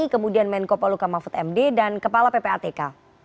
kemudian menko poluka mahfud md dan kepala ppatk